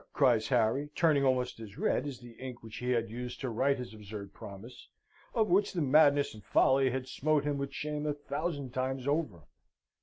cries Harry, turning almost as red as the ink which he had used to write his absurd promise, of which the madness and folly had smote him with shame a thousand times over.